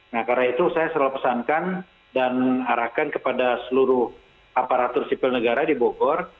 nah karena itu saya selalu pesankan dan arahkan kepada seluruh aparatur sipil negara di bogor